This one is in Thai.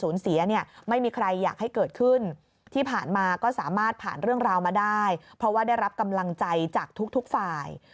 นี่ผ่านมาก็สามารถผ่านเรื่องราวมาได้เพราะว่าได้รับกำลังใจจากทุกทุกฝ่าย